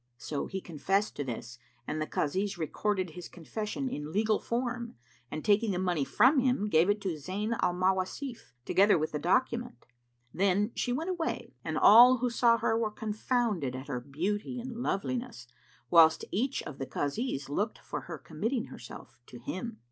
'" So he confessed to this and the Kazis recorded his confession in legal form and taking the money from him, gave it to Zayn al Mawasif, together with the document. Then she went away and all who saw her were confounded at her beauty and loveliness, whilst each of the Kazis looked for her committing herself to him.